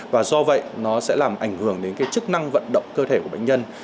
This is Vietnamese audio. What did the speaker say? và do vậy nó sẽ làm ảnh hưởng đến chức năng vận động cơ thể của bệnh nhân